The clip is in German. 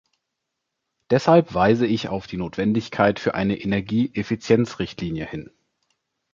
Deshalb weise ich auf die Notwendigkeit für eine Energieeffizienzrichtlinie hin.